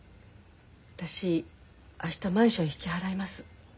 私明日マンション引き払います。